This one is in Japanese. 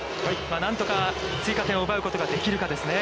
何とか追加点を奪うことができるかですよね。